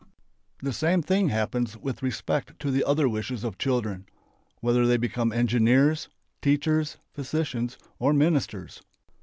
The same thing happens with respect to the other wishes of children, whether they become engineers, teachers, physicians, or ministers.